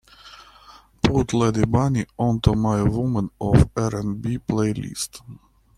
Put lady bunny onto my Women of R&B playlist.